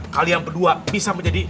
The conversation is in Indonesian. kalian berdua bisa menjadi